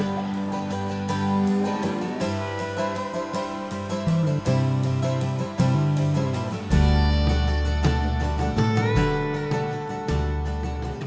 kok kita sih